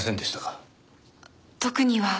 特には。